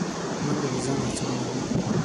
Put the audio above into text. منډه د ځان هڅونه ده